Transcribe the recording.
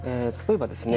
例えばですね